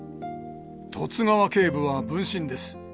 十津川警部は分身です。